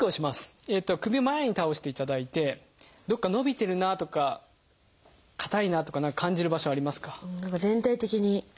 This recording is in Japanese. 首を前に倒していただいてどっか伸びてるなとか硬いなとか何か感じる場所ありますか？